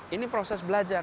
ini proses belajar